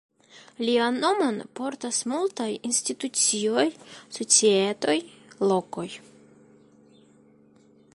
Lian nomon portas multaj institucioj, societoj, lokoj.